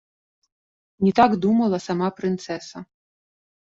Не так думала сама прынцэса.